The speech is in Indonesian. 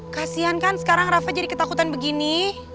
kasian kan sekarang rafa jadi ketakutan begini